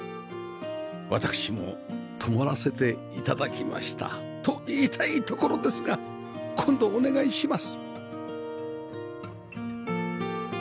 私も泊まらせて頂きましたと言いたいところですが今度お願いします